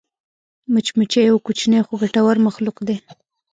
مچمچۍ یو کوچنی خو ګټور مخلوق دی